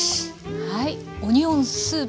はいオニオンスープ